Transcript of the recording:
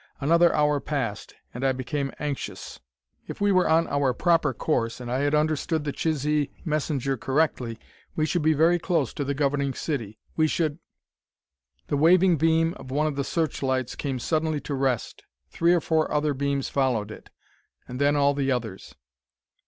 Another hour passed, and I became anxious. If we were on our proper course, and I had understood the Chisee messenger correctly, we should be very close to the governing city. We should The waving beam of one of the searchlights came suddenly to rest. Three or four other beams followed it and then all the others.